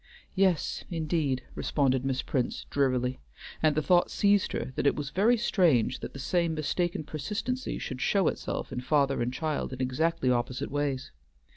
"Yes, indeed," responded Miss Prince, drearily; and the thought seized her that it was very strange that the same mistaken persistency should show itself in father and child in exactly opposite ways.